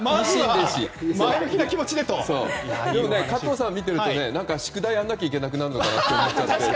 でも加藤さんを見ていると宿題をやらなきゃいけなくなるのかなって。